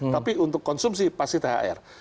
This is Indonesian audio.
tapi untuk konsumsi pasti thr